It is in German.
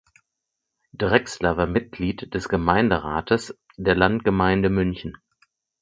Drechsler war Mitglied des Gemeinderates der Landgemeinde München.